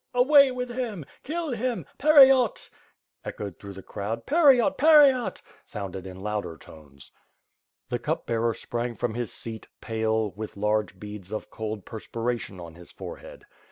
"Away with him! Kill him! Pereatl'^ echoed through the crowd. 'Tereat, pereat!" sounded in louder tones. The Cup Bearer sprang from his seat, pale, with large beads of cold perspiration on his forehead.